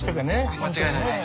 間違いないです。